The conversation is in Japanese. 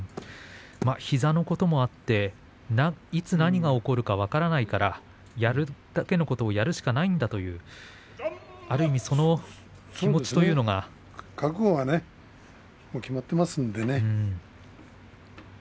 膝のこともあっていつ何が起こるか分からないからやるだけのことをやるしかないんだという覚悟が決まっていますのでね。